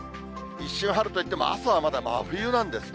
一瞬春といっても、朝はまだ真冬なんですね。